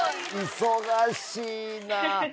忙しいな。